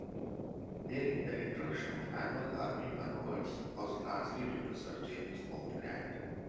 The introduction of annual army manoeuvres was largely due to Sir James Hope Grant.